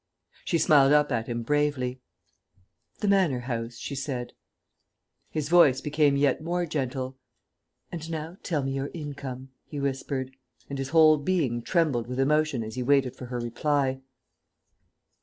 She smiled up at him bravely. "The Manor House," she said. His voice became yet more gentle. "And now tell me your income," he whispered; and his whole being trembled with emotion as he waited for her reply.